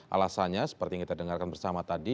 alasannya seperti yang kita dengarkan bersama tadi